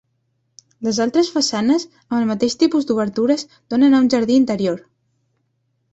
Les altres façanes, amb el mateix tipus d'obertures, donen a un jardí interior.